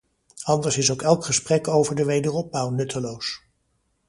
Anders is ook elk gesprek over de wederopbouw nutteloos.